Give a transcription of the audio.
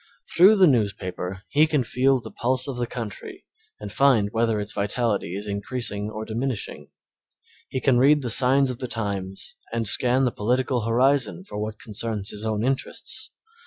Through the newspaper he can feel the pulse of the country and find whether its vitality is increasing or diminishing; he can read the signs of the times and scan the political horizon for what concerns his own interests.